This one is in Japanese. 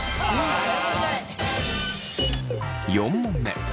４問目。